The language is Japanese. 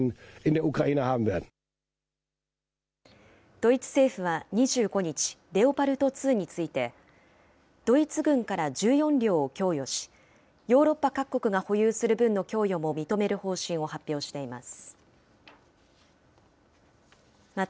ドイツ政府は２５日、レオパルト２について、ドイツ軍から１４両を供与し、ヨーロッパ各国が保有する分の供与も認める方針を発表しています。